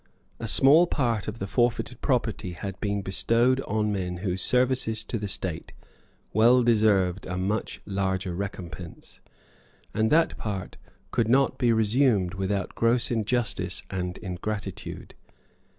A small part of the forfeited property had been bestowed on men whose services to the state well deserved a much larger recompense; and that part could not be resumed without gross injustice and ingratitude.